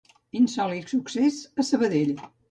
Insòlit succés a Sabadell.